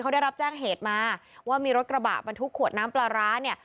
เขาได้รับแจ้งเหตุมาว่ามีรถกระบะบรรทุกขวดน้ำปลาร้าเนี่ย